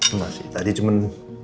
enggak sih tadi cuman